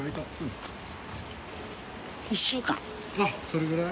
あっそれぐらい。